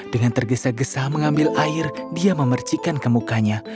dengan tergesa gesa mengambil air dia memercikan ke mukanya